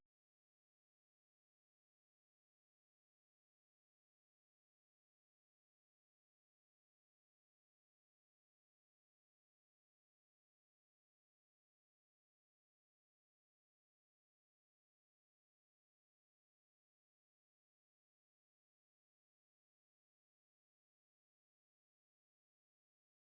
โปรดติดตามต่อไป